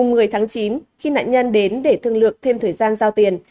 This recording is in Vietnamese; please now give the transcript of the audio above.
ngày một mươi tháng chín khi nạn nhân đến để thương lượng thêm thời gian giao tiền